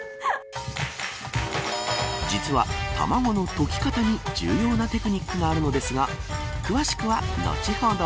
実は、卵のとき方に重要なテクニックがあるのですが詳しくは後ほど。